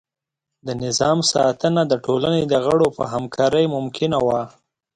د نظام ساتنه د ټولنې د غړو په همکارۍ ممکنه وه.